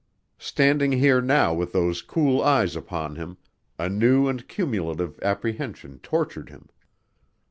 Standing here now with those cool eyes upon him, a new and cumulative apprehension tortured him.